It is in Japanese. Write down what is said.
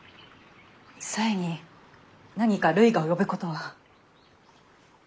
紗江に何か累が及ぶことは？